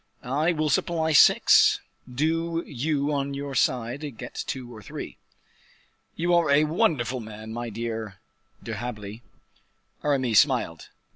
"I will supply six; do you on your side get two or three." "You are a wonderful man, my dear D'Herblay." Aramis smiled.